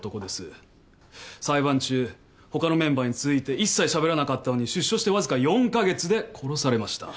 裁判中他のメンバーについて一切しゃべらなかったのに出所してわずか４カ月で殺されました。